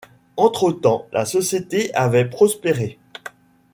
Entre-temps, la société avait prospéré.